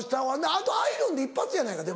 あとアイロンで一発やないかでも。